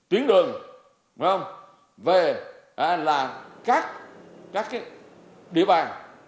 tuyến đường về là các địa bàn